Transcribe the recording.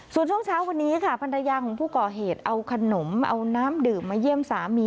ส่วนช่วงเช้าวันนี้ค่ะภรรยาของผู้ก่อเหตุเอาขนมเอาน้ำดื่มมาเยี่ยมสามี